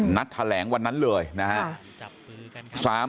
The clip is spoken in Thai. นัดแถลงวันนั้นเลยนะครับ